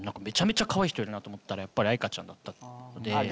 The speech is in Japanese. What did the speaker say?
めちゃめちゃカワイイ人いるなと思ったらやっぱりあいかちゃんだったので。